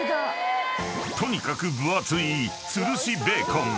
［とにかく分厚い吊るしベーコン］